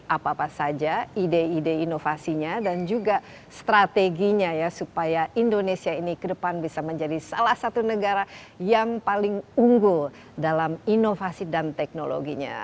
apa apa saja ide ide inovasinya dan juga strateginya ya supaya indonesia ini ke depan bisa menjadi salah satu negara yang paling unggul dalam inovasi dan teknologinya